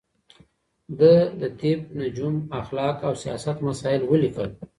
ده د طب، نجوم، اخلاق او سياست مسايل وليکل